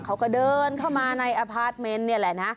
เขาก็เดินเข้ามาในอพาร์ทเมนต์นี่แหละนะ